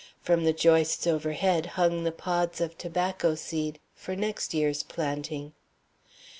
From the joists overhead hung the pods of tobacco seed for next year's planting.